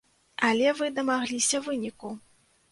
Але вы дамагліся выніку.